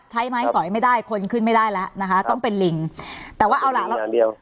ใช้ไม้สอยไม่ได้คนขึ้นไม่ได้แล้วนะคะต้องเป็นลิงแต่ว่าเอาล่ะล็อกอย่างเดียว